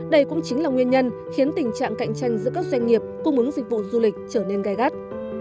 đây cũng chính là nguyên nhân khiến tình trạng cạnh tranh giữa các doanh nghiệp cung ứng dịch vụ du lịch trở nên gai gắt